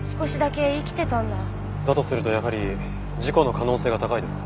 だとするとやはり事故の可能性が高いですね。